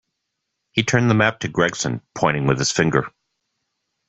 He turned the map to Gregson, pointing with his finger.